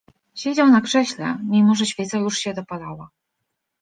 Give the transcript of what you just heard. Siedział na krześle, mimo że świeca już się dopalała.